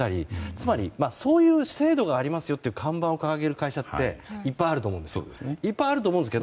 つまり、そういう制度がありますよという看板を掲げる会社はいっぱいあると思うんです。